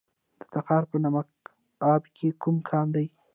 د تخار په نمک اب کې کوم کان دی؟